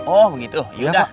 oh begitu iya pak